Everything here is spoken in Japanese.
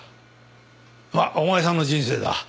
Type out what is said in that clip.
まあお前さんの人生だ。